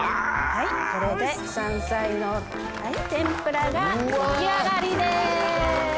はいこれで山菜の天ぷらが出来上がりです！